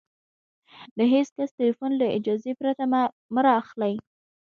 د هېڅ کس ټلیفون له اجازې پرته مه را اخلئ!